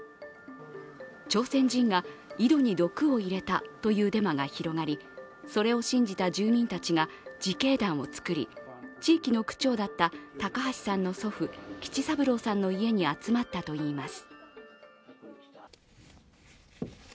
朝鮮人が井戸に毒を入れたというデマが広がり、それを信じた住民たちが自警団を作り、地域の区長だった高橋さんの祖父吉三郎さんの家に集まったといいます。